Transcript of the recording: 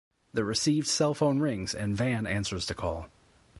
The received cell phone rings and Vann answers the call.